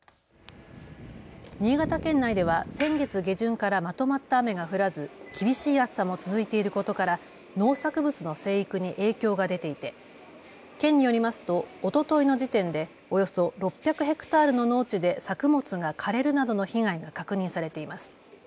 新潟県内では先月下旬からまとまった雨が降らず厳しい暑さも続いていることから農作物の生育に影響が出ていて県によりますとおとといの時点でおよそ６００ヘクタールの農地で作物が枯れるなどの被害が確認されています。